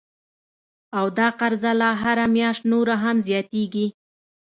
او دا قرضه لا هره میاشت نوره هم زیاتیږي